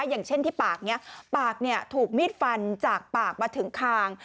อย่างเช่นที่ปากนี้ปากถูกมีดฟันจากปากมาถึงคาง